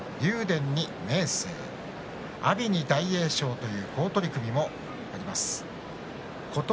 阿炎に大栄翔という好取組もあります。